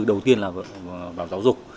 đầu tiên là vào giáo dục